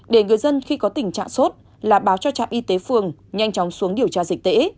để người dân khi có tình trạng sốt là báo cho trạm y tế phường nhanh chóng xuống điều tra dịch tễ